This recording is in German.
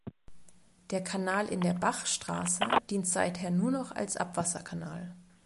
Der Kanal in der Bachstraße dient seither nur noch als Abwasserkanal.